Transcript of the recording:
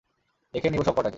দেখে নিবো সবকটাকে!